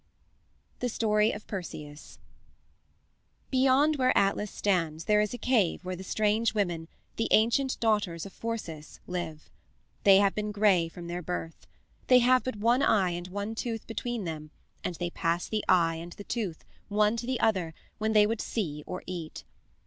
THE STORY OF PERSEUS Beyond where Atlas stands there is a cave where the strange women, the ancient daughters of Phorcys, live. They have been gray from their birth. They have but one eye and one tooth between them, and they pass the eye and the tooth, one to the other, when they would see or eat.